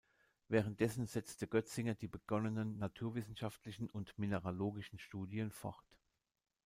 Währenddessen setzte Götzinger die begonnenen naturwissenschaftlichen und mineralogischen Studien fort.